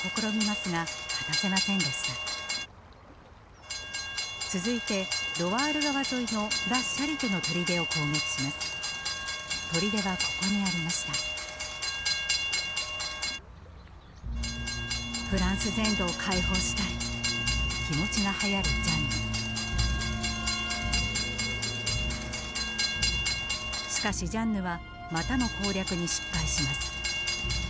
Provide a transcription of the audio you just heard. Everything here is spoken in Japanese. しかしジャンヌはまたも攻略に失敗します。